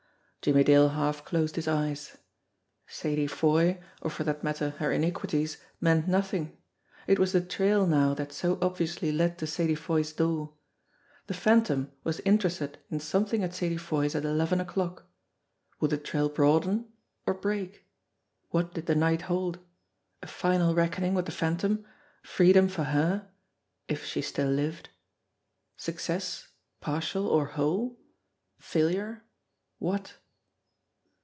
Jimmie Dale half closed his eyes. Sadie Foy, or for that matter her iniquities, meant nothing it was the trail now that so obvi ously led to Sadie Foy's door. The Phantom was interested in something at Sadie Foy's at eleven o'clock. Would the trail broaden or break ? What did the night hold ? A final reckoning with the Phantom ? Freedom for her if she still lived? Success, partial or whole? Failure? What?